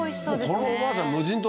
このおばあちゃん